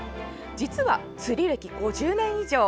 実は釣り歴５０年以上。